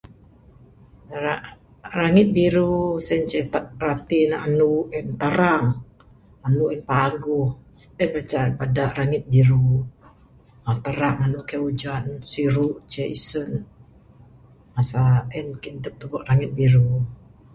uhh rangit biru sien ceh rati ne andu en tarang...andu en paguh...sien mah ceh bada rangit biru...tarang andu kaii ujan siru ceh isen...masa en mungkin adep tubek rangit biru.